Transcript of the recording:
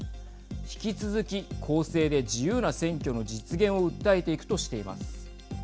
引き続き公正で自由な選挙の実現を訴えていくとしています。